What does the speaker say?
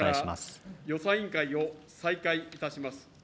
ただいまから予算委員会を再開いたします。